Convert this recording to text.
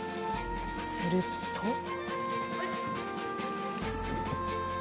すると。